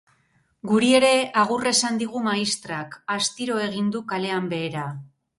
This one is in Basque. Guri ere agur esan digu maistrak, astiro egin du kalean behera.